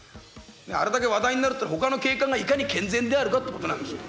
あれだけ話題になるってのは他の警官がいかに健全であるかってことなんですよ。